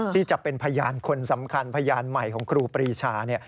ที่จะเป็นพยานคนสำคัญพยานใหม่ของครูปรีชา